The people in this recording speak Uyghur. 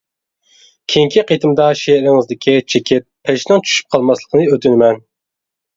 كېيىنكى قېتىمدا شېئىرىڭىزدىكى چېكىت، پەشنىڭ چۈشۈپ قالماسلىقىنى ئۆتۈنىمەن.